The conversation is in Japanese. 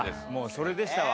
それでしたわ。